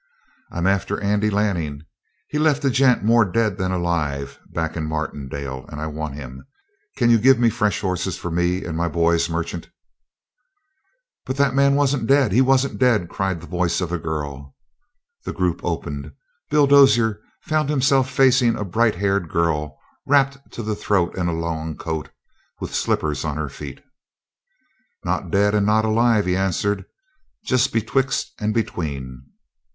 "I'm after Andy Lanning. He's left a gent more dead than alive back in Martindale, and I want him. Can you give me fresh horses for me and my boys, Merchant?" "But the man wasn't dead? He wasn't dead?" cried the voice of a girl. The group opened; Bill Dozier found himself facing a bright haired girl wrapped to the throat in a long coat, with slippers on her feet. "Not dead and not alive," he answered. "Just betwixt and between."